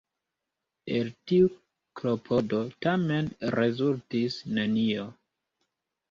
El tiu klopodo tamen rezultis nenio.